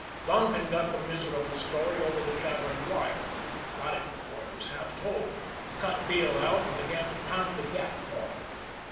Donkin got the miserable story over the chattering wire got it before it was half told cut Beale out and began to pound the Gap call.